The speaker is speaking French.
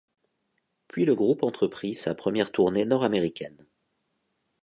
Puis le groupe entreprit sa première tournée nord-américaine.